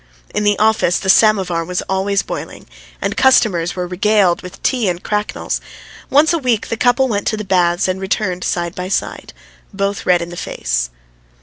In the office the samovar was always boiling, and customers were regaled with tea and cracknels. Once a week the couple went to the baths and returned side by side, both red in the face.